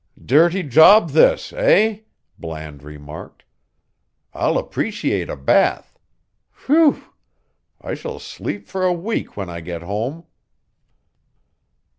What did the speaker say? "Dirty job this, eh?" Bland remarked. "I'll appreciate a bath. Phew. I shall sleep for a week when I get home."